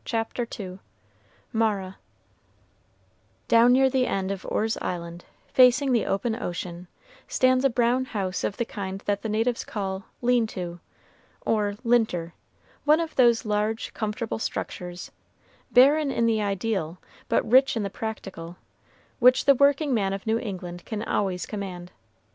CHAPTER II MARA Down near the end of Orr's Island, facing the open ocean, stands a brown house of the kind that the natives call "lean to," or "linter," one of those large, comfortable structures, barren in the ideal, but rich in the practical, which the workingman of New England can always command.